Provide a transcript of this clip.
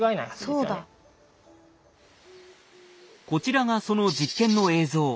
こちらがその実験の映像。